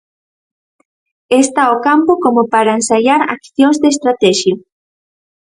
Está o campo como para ensaiar accións de estratexia.